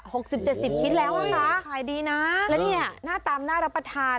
สิบเจ็ดสิบชิ้นแล้วนะคะขายดีนะแล้วเนี่ยหน้าตามน่ารับประทาน